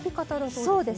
そうですね。